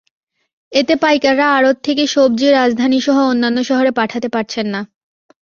এতে পাইকাররা আড়ত থেকে সবজি রাজধানীসহ অন্যান্য শহরে পাঠাতে পারছেন না।